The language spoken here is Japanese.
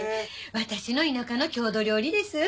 私の田舎の郷土料理です。